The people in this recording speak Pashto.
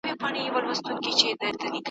د دې غم لړلي صحنې ننداره کوله `